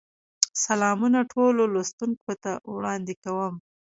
سلامونه ټولو لوستونکو ته وړاندې کوم.